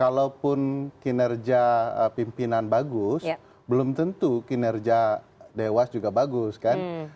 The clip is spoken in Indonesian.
kalaupun kinerja pimpinan bagus belum tentu kinerja dewas juga bagus kan